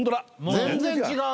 全然違う！